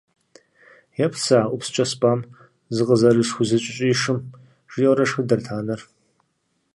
«Еплъ сэ а ӏупскӏэ спӏам зыкъызэрысхузэкӏэщӏишым», жиӏэурэ шхыдэрт анэр.